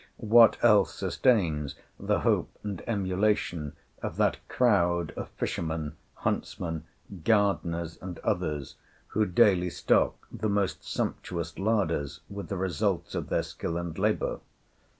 What else sustains the hope and emulation of that crowd of fishermen, huntsmen, gardeners, and others who daily stock the most sumptuous larders with the results of their skill and labor?